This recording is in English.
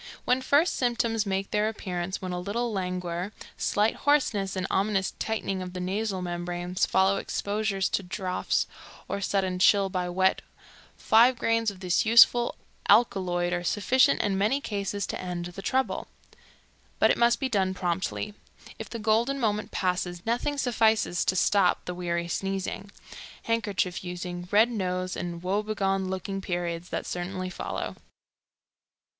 When first symptoms make their appearance, when a little languor, slight hoarseness and ominous tightening of the nasal membranes follow exposure to draughts or sudden chill by wet, five grains of this useful alkaloid are sufficient in many cases to end the trouble. But it must be done promptly. If the golden moment passes, nothing suffices to stop the weary sneezing, handkerchief using, red nose and woe begone looking periods that certainly follow.